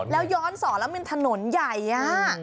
แล้วย้อนสอนแล้วมันถนนใหญ่อ่ะ